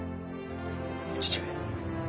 父上。